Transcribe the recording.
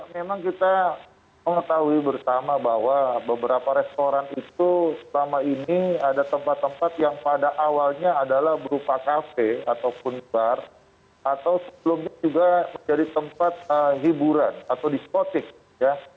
memang kita mengetahui bersama bahwa beberapa restoran itu selama ini ada tempat tempat yang pada awalnya adalah berupaya